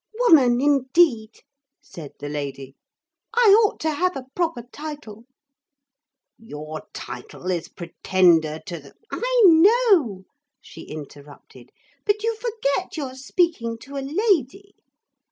'Woman, indeed,' said the lady. 'I ought to have a proper title.' 'Your title is the Pretender to the ' 'I know,' she interrupted; 'but you forget you're speaking to a lady.